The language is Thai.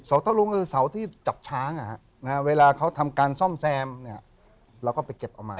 สาวตะลุงคือสาวที่จับช้างนะฮะเวลาเค้าทำการซ่อมแซมเราก็ไปเก็บมา